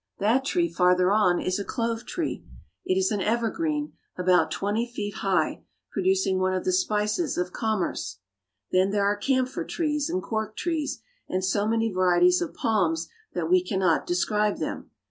That tree farther on is a clove tree. It is an evergreen, about twenty feet high, producing one of the spices of commerce. Then there are camphor trees and cork trees, and so many varieties of palms that we cannot describe them.